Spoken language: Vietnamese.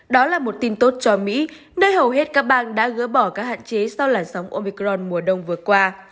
đó là một tin tốt cho mỹ nơi hầu hết các bang đã gỡ bỏ các hạn chế sau làn sóng omicron mùa đông vừa qua